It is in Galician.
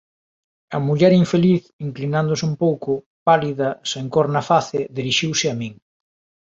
A muller infeliz, inclinándose un pouco, pálida, sen cor na face dirixiuse a min.